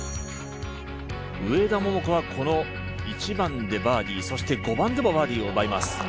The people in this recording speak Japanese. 上田桃子は１番でバーディー、そして５番でもバーディーを奪います。